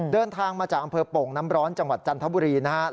เดินทางมาจากอำเภอโป่งน้ำร้อนจังหวัดจันทบุรีนะครับ